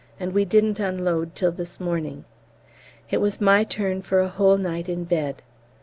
and we didn't unload till this morning. It was my turn for a whole night in bed.